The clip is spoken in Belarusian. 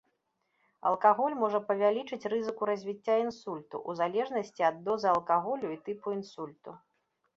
Алкаголь можа павялічыць рызыку развіцця інсульту, у залежнасці ад дозы алкаголю і тыпу інсульту.